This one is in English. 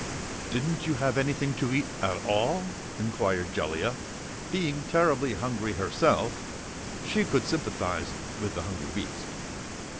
"Didn't you have anything to eat, at all?" inquired Jellia. Being terribly hungry herself, she could sympathize with the hungry beast.